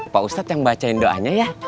pak ustadz yang bacain doanya ya